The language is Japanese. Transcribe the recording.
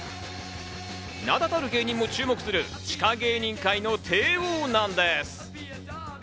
名だたる芸人も注目する地下芸人界の帝王なんです。